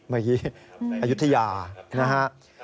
เมื่อกี้อายุทยานะฮะ